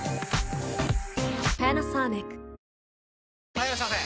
・はいいらっしゃいませ！